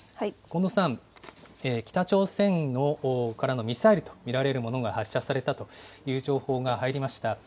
こんどうさん、北朝鮮からのミサイルと見られるものが発射されたという情報が入りました。